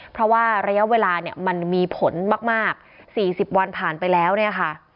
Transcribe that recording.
เพราะว่าระยะเวลาเนี่ยมันมีผลมาก๔๐วันผ่านไปแล้วเนี่ยค่ะ